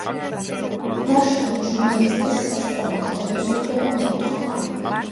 ვარშავამ ჟურნალისტის სასწრაფო გათავისუფლება მოითხოვა.